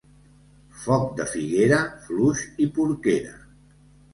Foc de figuera, fluix i porquera.